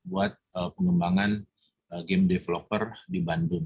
buat pengembangan game developer di bandung